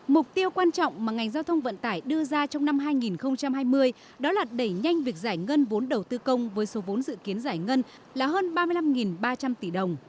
mục tiêu quan trọng mà ngành giao thông vận tải đưa ra trong năm hai nghìn hai mươi đó là đẩy nhanh việc giải ngân vốn đầu tư công với số vốn dự kiến giải ngân là hơn ba mươi năm ba trăm linh tỷ đồng